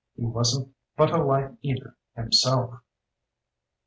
He wasn't but a light eater himself.".